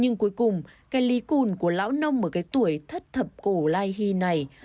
nhưng cuối cùng cây ly cùn của lão nông ở cái tuổi thất thập cổ lai hi này